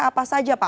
apa saja pak